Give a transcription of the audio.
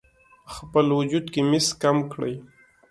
خپل وجود کې مس کم کړئ: